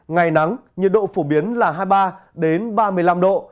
ngày nắng nhiệt độ phổ biến là hai mươi ba ba mươi năm độ